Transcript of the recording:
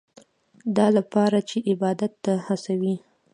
دا لپاره چې عبادت ته هڅوي.